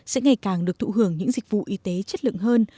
sẽ ngày càng được thụ hưởng những dịch vụ y tế chất lượng hơn